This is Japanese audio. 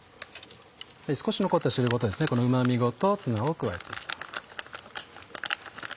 少し残った汁ごとこのうま味ごとツナを加えて行きます。